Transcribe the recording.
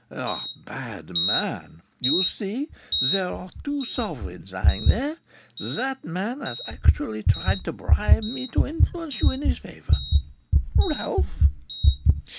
"A bad man. You see there are two sovereigns lying here. That man has actually tried to bribe me to influence you in his favour?" "Ralph?"